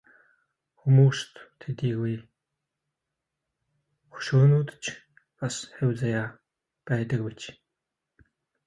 Хүмүүст төдийгүй хөшөөнд ч бас хувь заяа байдаг биз.